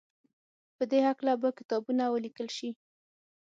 په دې هکله به کتابونه وليکل شي.